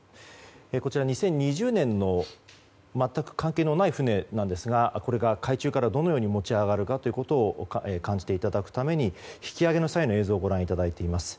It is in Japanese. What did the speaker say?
こちらは２０２０年の全く関係のない船なんですがこれが海中からどのように持ち上がるかということを感じていただくために引き揚げの際の映像をご覧いただいています。